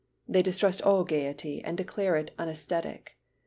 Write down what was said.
They distrust all gaiety and declare it unesthetic.